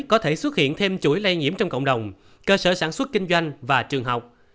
có thể xuất hiện thêm chuỗi lây nhiễm trong cộng đồng cơ sở sản xuất kinh doanh và trường học